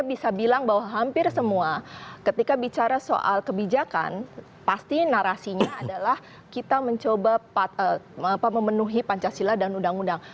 kita bisa bilang bahwa hampir semua ketika bicara soal kebijakan pasti narasinya adalah kita mencoba memenuhi pancasila dan undang undang